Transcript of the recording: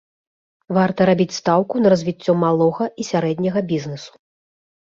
Варта рабіць стаўку на развіццё малога і сярэдняга бізнесу.